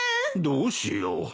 どうしよう。